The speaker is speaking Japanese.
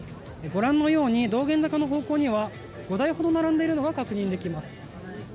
ご覧のように道玄坂の方向には５台ほど並んでいるのが確認できます。